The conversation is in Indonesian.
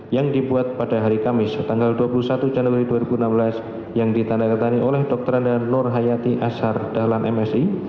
yang ditandangkan oleh dr nur hayati ashar dahlan msi